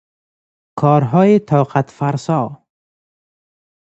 کارهای طاقتفرسا